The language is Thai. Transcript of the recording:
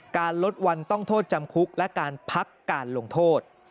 ลดวันต้องโทษจำคุกและการพักการลงโทษ